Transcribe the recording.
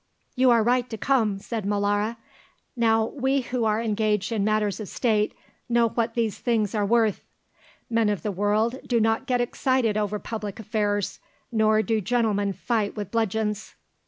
"You are right to come," said Molara. "Now we who are engaged in matters of State know what these things are worth; men of the world do not get excited over public affairs, nor do gentlemen fight with bludgeons."